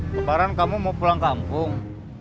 lebaran kamu mau pulang kampung